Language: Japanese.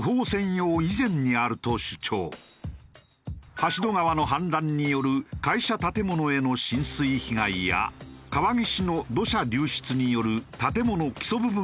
橋戸川の氾濫による会社建物への浸水被害や川岸の土砂流失による建物基礎部分への影響